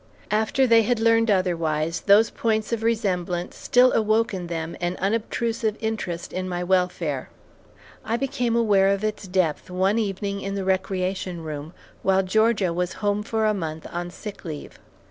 After they had learned otherwise, those points of resemblance still awoke in them an unobtrusive interest in my welfare. I became aware of its depth one evening in the recreation room while Georgia was home for a month on sick leave.